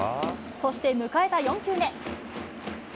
そして迎えた４球目。